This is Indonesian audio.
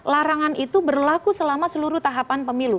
larangan itu berlaku selama seluruh tahapan pemilu